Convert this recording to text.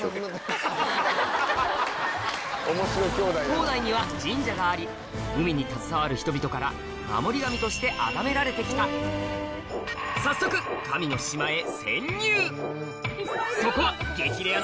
島内には神社があり海に携わる人々から守り神としてあがめられて来た早速え！